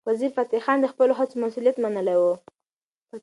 وزیرفتح خان د خپلو هڅو مسؤلیت منلی و.